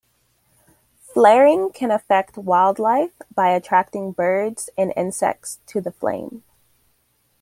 Flaring can affect wildlife by attracting birds and insects to the flame.